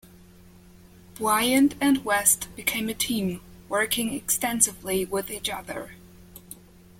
Bryant and West became a team, working extensively with each other.